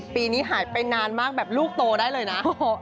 ปีนี้หายไปนานมากแบบลูกโตได้เลยนะ